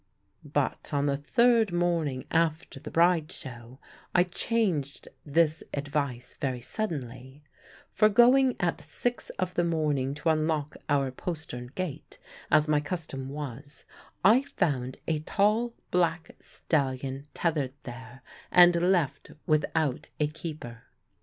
But on the third morning after the Bride show I changed this advice very suddenly; for going at six of the morning to unlock our postern gate, as my custom was, I found a tall black stallion tethered there and left without a keeper.